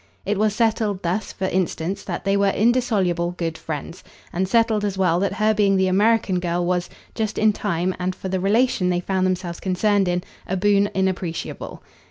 It was settled thus for instance that they were indissoluble good friends, and settled as well that her being the American girl was, just in time and for the relation they found themselves concerned in, a boon inappreciable.